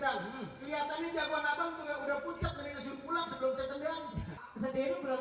lihat tadi jagoan abang tunggal udah pucat beli nasi pulang sebelum saya tendang